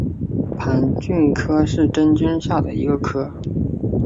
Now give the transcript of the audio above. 盘菌科是真菌下的一个科。